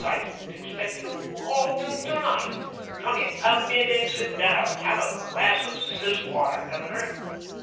I didn't expect you all till to night. Come in, come in and sit down. Have a glass of sizz water, Governor."